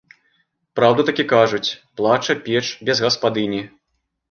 Праўду такі кажуць, плача печ без гаспадыні.